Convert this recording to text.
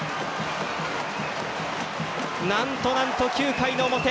なんとなんと９回の表。